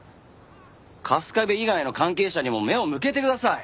春日部以外の関係者にも目を向けてください！